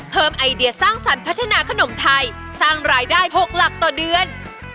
ไอเดียสร้างสรรค์พัฒนาขนมไทยสร้างรายได้๖หลักต่อเดือน